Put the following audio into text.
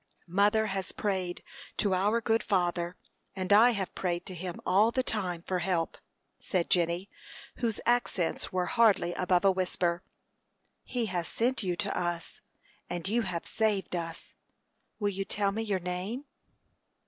"Mother has prayed to Our Good Father, and I have prayed to Him all the time for help," said Jenny, whose accents were hardly above a whisper. "He has sent you to us, and you have saved us. Will you tell me your name?"